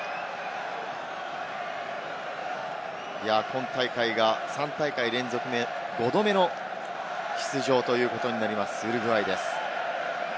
今大会が３大会連続、５度目の出場というウルグアイです。